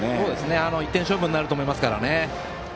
１点勝負になると思いますからね。